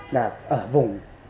là ở vùng